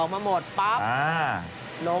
๖๒๒มาหมดปั๊บ